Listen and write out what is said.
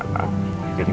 jadi benar benar tahu